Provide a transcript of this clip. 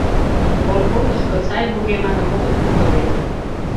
Колхозышко сай вургеманым огыт пурто вет.